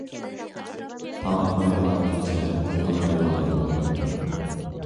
تاڭ ئاتمايدىغان كېچە، ئويغانمايدىغان روھ يوقتۇر.